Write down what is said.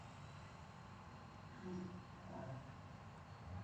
ارغنداب په کندهار کي د انارو په ولسوالۍ مشهوره دی.